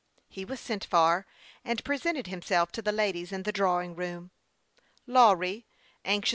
He was sent for, and presented himself to the ladies in the drawing room. Lawry, anxious t